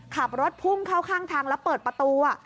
ขับรถพุ่งเข้าข้างทางแล้วเปิดประตู